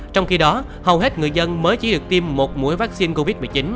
trong khi đó hầu hết người dân mới chỉ được tiêm một mũi vaccine covid một mươi chín